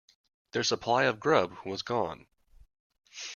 Their supply of grub was gone.